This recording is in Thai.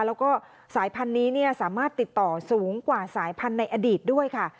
แล้วก็สายพันธุ์นี้สามารถติดต่อสูงกว่าสายพันธุ์ในอดีตด้วยค่ะ